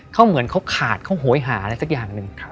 เขาเหมือนเขาขาดเขาโหยหาอะไรสักอย่างหนึ่ง